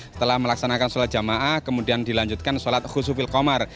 setelah melaksanakan sholat jamaah kemudian dilanjutkan sholat khusufil komar